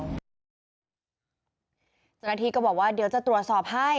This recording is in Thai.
เจ้าหน้าที่ก็บอกว่าเดี๋ยวจะตรวจสอบให้